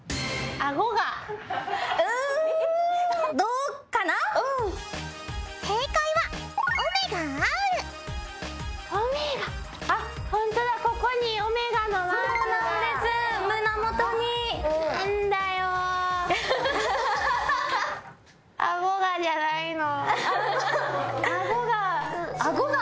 あごがじゃないの？